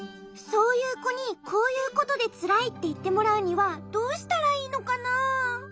そういうこに「こういうことでつらい」っていってもらうにはどうしたらいいのかな？